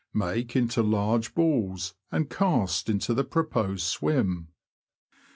Make into large balls, and cast into the proposed swim.